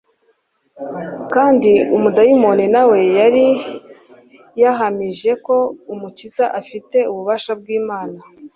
kandi umudayimoni na we yari yahamije ko umukiza afite ububasha bw’imana